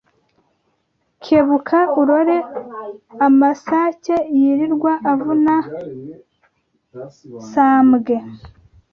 Kebuka urore amasake Yilirwa avuna sambwe